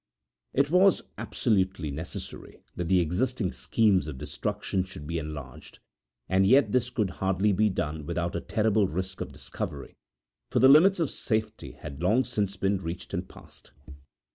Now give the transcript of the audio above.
It was absolutely necessary that the existing schemes of destruction should be enlarged; and yet this could hardly be done without a terrible risk of discovery, for the limits of safety had long since been reached and passed.